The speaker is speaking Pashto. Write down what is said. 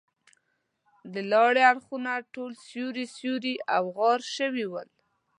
د لارې اړخونه ټول سوري سوري او غار شوي ول.